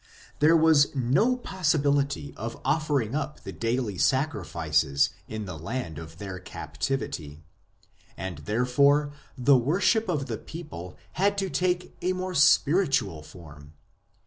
There was no possibility of offering up the daily sacrifices in the land of their captivity ; and there fore the worship of the people had to take a more spiritual form.